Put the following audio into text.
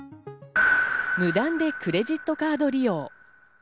無断でクレジットカード利用。